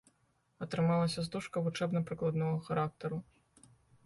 Атрымалася стужка вучэбна-прыкладнога характару.